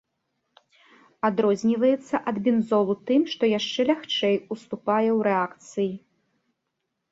Адрозніваецца ад бензолу тым, што яшчэ лягчэй уступае ў рэакцыі.